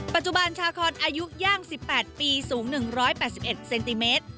ปัจจุบันชาคอนอายุย่าง๑๘ปีสูง๑๘๑เซนติเมตร